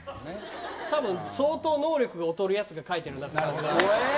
多分、相当能力が劣るやつが書いているんだと。